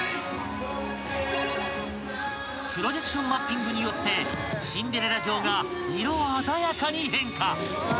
［プロジェクションマッピングによってシンデレラ城が色鮮やかに変化］